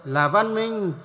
là văn minh